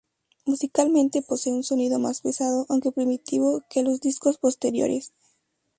Musicalmente posee un sonido más pesado aunque primitivo que los discos posteriores.